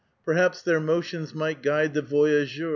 Perhaps their motions might guide the voyageur.